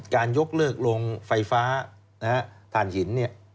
การยกเลิกลงไฟฟ้าฐานหิน